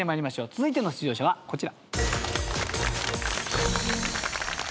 続いての出場者はこちら。